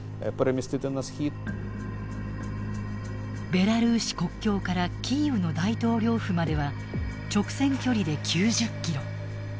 ベラルーシ国境からキーウの大統領府までは直線距離で９０キロ。